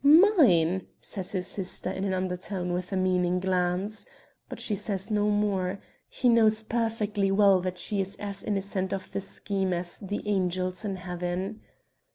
"Mine!" says his sister in an undertone and with a meaning glance. But she says no more. He knows perfectly well that she is as innocent of the scheme as the angels in heaven.